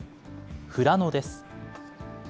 富良野です。